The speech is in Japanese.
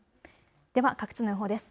では各地の予報です。